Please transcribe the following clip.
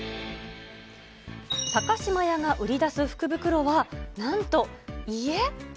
高島屋が売り出す福袋はなんと、家？